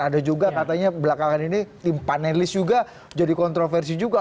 ada juga katanya belakangan ini tim panelis juga jadi kontroversi juga